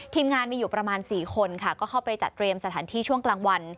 ทีมงานมีอยู่ประมาณ๔คนค่ะก็เข้าไปจัดเตรียมสถานที่ช่วงกลางวัน